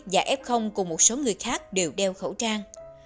và f cùng một số người khác đều đeo khẩu trang